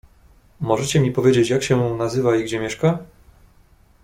"Możecie mi powiedzieć jak się nazywa i gdzie mieszka?"